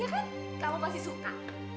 iya kan kamu pasti suka